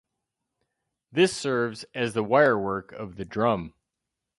This serves as the wire work of the drum.